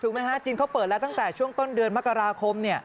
ฮะจีนเขาเปิดแล้วตั้งแต่ช่วงต้นเดือนมกราคม